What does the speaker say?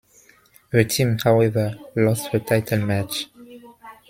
The team, however, lost the title match.